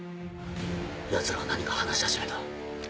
やつらが何か話し始めた。